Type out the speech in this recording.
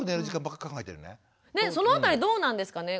そのあたりどうなんですかね。